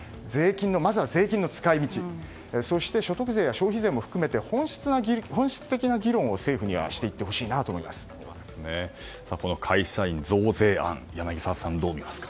まずは、税金の使い道そして所得税や消費税も含めて本質的な議論を政府にはしていってほしいなと会社員増税案柳澤さん、どう見ますか？